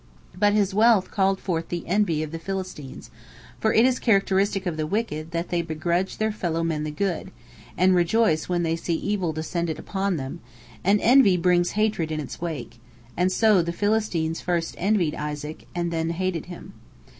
" But his wealth called forth the envy of the Philistines, for it is characteristic of the wicked that they begrudge their fellow men the good, and rejoice when they see evil descend upon them, and envy brings hatred in its wake, and so the Philistines first envied Isaac, and then hated him.